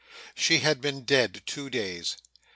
She had been dead two days.